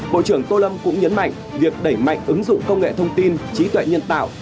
bộ trưởng tô lâm cũng nhấn mạnh việc đẩy mạnh ứng dụng công nghệ thông tin trí tuệ nhân tạo